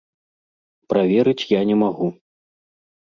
Праверыць я не магу.